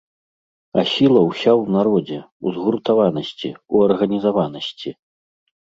А сіла ўся ў народзе, у згуртаванасці, у арганізаванасці.